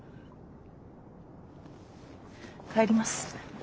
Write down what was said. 帰ります。